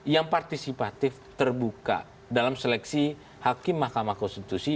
yang partisipatif terbuka dalam seleksi hakim mahkamah konstitusi